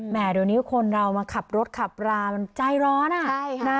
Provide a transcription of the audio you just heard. แหม่ตอนนี้คนเรามาขับรถขับรามันใจร้อนอะ